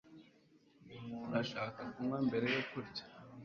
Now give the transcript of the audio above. Urashaka kunywa mbere yo kurya?